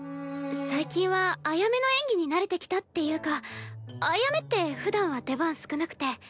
最近はアヤメの演技に慣れてきたっていうかアヤメってふだんは出番少なくて。